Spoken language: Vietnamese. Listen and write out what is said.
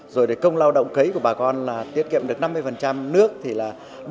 rồi công lao động cấy của bà con là tiết kiệm được năm mươi nước thì là bốn mươi